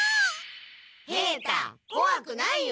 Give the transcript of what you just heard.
平太こわくないよ。